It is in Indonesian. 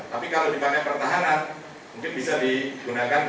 tapi kalau dipakai pertahanan mungkin bisa digunakan